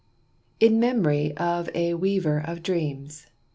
_ IN MEMORY OF A WEAVER OF DREAMS.